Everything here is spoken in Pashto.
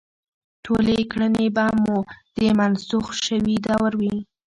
ټولې کړنې به مو د منسوخ شوي دور وي.